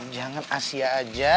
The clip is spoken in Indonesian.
jangan asia aja